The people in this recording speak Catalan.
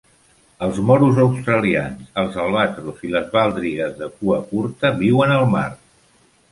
Els morus australians, els albatros i les baldrigues de cua curta viuen al mar.